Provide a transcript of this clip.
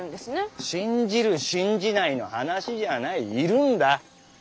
信じる信じないの話じゃあないいるんだッ。